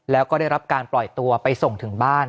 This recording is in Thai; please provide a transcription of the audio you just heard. แล้วก็ได้รับการปล่อยตัวไปส่งถึงบ้าน